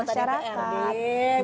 aku juga dianggota dprd